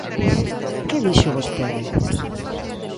¿Que dixo vostede?